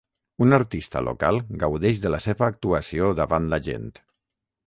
Un artista local gaudeix de la seva actuació davant la gent.